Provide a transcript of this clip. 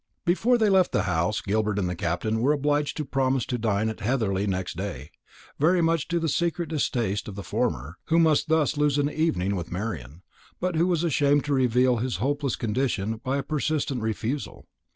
'" Before they left the house, Gilbert and the Captain were obliged to promise to dine at Heatherly next day, very much to the secret distaste of the former, who must thus lose an evening with Marian, but who was ashamed to reveal his hopeless condition by a persistent refusal.